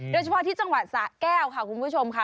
โดยเฉพาะที่จังหวัดสะแก้วค่ะคุณผู้ชมค่ะ